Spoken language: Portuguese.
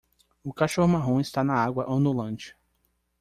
O cachorro marrom está na água ondulante.